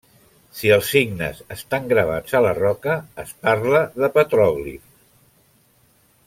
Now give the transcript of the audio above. Si els signes estan gravats a la roca, es parla de petròglif.